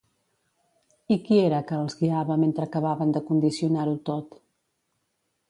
I qui era que els guiava mentre acabaven de condicionar-ho tot?